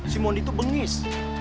si moni tuh bengis